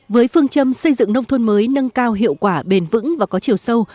với phương châm xây dựng nông thôn mới nâng cao hiệu quả bền vững và có chiều sâu